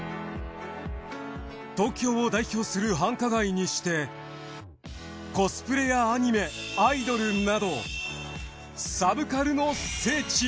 東京を代表する繁華街にしてコスプレやアニメアイドルなどサブカルの聖地。